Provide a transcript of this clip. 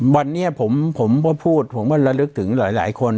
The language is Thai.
วันนี้ผมก็พูดผมก็ระลึกถึงหลายคน